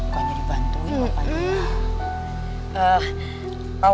pokoknya dibantuin bapaknya